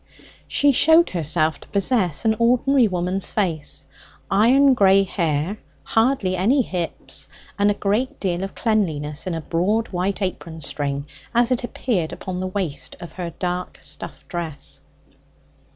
She showed herself to possess an ordinary woman's face, iron grey hair, hardly any hips, and a great deal of cleanliness in a broad white apron string, as it appeared upon the waist of her dark stuff dress.